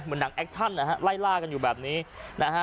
หนังแอคชั่นนะฮะไล่ล่ากันอยู่แบบนี้นะฮะ